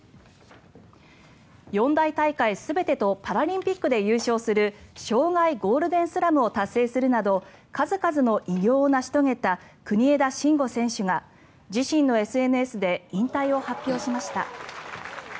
四大大会全てとパラリンピックで優勝する生涯ゴールデンスラムを達成するなど数々の偉業を成し遂げた国枝慎吾選手が自身のＳＮＳで引退を発表しました。